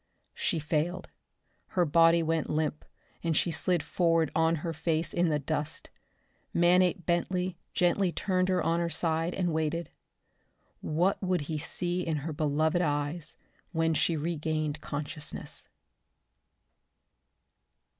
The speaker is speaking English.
She failed. Her body went limp and she slid forward on her face in the dust. Manape Bentley gently turned her on her side and waited. What would he see in her beloved eyes when she regained consciousness?